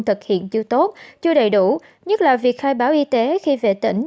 thực hiện chưa tốt chưa đầy đủ nhất là việc khai báo y tế khi về tỉnh